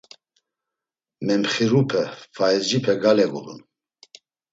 Memxirupe, faizcipe gale gulun.